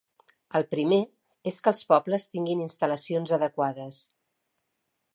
El primer és que els pobles tinguin instal·lacions adequades.